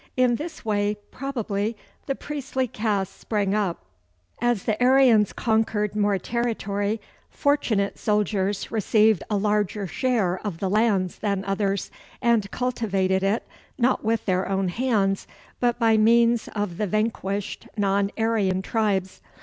In this way probably the priestly caste sprang up. As the Aryans conquered more territory, fortunate soldiers received a larger share of the lands than others, and cultivated it not with their own hands, but by means of the vanquished non Aryan tribes.